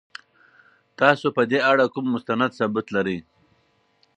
تاسو په دې اړه کوم مستند ثبوت لرئ؟